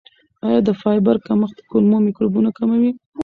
آیا د فایبر کمښت د کولمو میکروبونه کموي؟